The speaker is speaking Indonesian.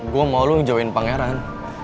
gue mau lo join pangeran